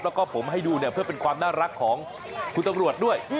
แล้วก็ผมให้ดูเนี่ยเพื่อเป็นความน่ารักของคุณตำรวจด้วย